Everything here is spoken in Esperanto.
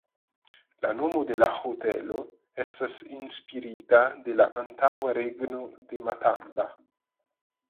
La nomo de la hotelo estas inspirita de la antaŭa regno de Matamba.